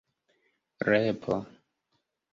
repo